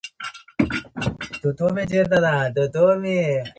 استاد د زړونو فتح کوونکی دی.